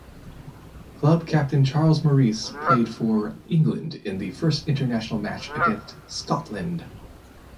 Club captain Charles Morice played for England in the first international match against Scotland.